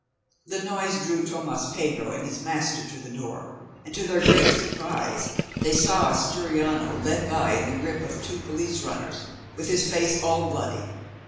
The noise drew Tomas Pedro and his master to the door, and, to their great surprise, they saw Asturiano led by in the gripe of two police runners, with his face all bloody.